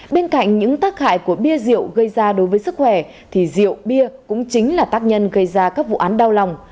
bên cạnh những tác hại của bia rượu gây ra đối với sức khỏe thì rượu bia cũng chính là tác nhân gây ra các vụ án đau lòng